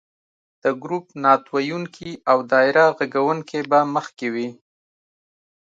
د ګروپ نعت ویونکي او دایره غږونکې به مخکې وي.